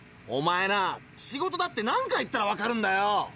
おまえな「仕事だ」って何回言ったらわかるんだよ。